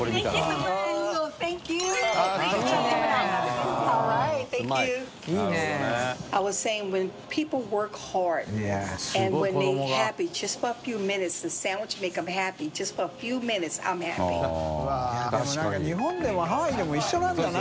もう何か日本でもハワイでも一緒なんだな。